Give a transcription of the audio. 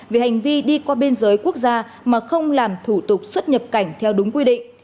vì hành vi đi qua biên giới quốc gia mà không làm thủ tục xuất nhập cảnh theo đúng quy định